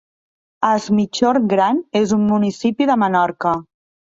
Es Migjorn Gran és un municipi de Menorca.